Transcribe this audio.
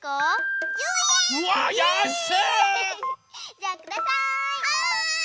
じゃあください。はい！